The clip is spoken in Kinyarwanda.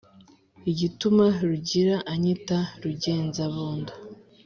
igituma rugira anyita rugenzabondo